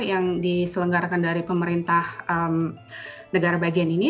yang diselenggarakan dari pemerintah negara bagian ini